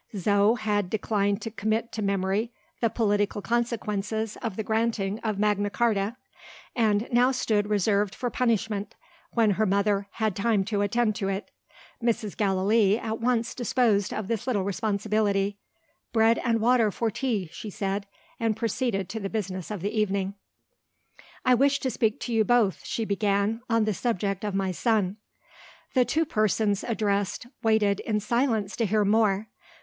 Zo had declined to commit to memory "the political consequences of the granting of Magna Charta" and now stood reserved for punishment, when her mother "had time to attend to it." Mrs. Gallilee at once disposed of this little responsibility. "Bread and water for tea," she said, and proceeded to the business of the evening. "I wish to speak to you both," she began, "on the subject of my son." The two persons addressed waited in silence to hear more.